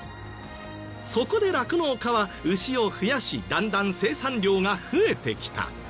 そこで酪農家は牛を増やしだんだん生産量が増えてきた。